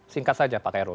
singkat saja pak kero